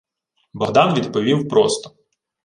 Богдан відповів просто: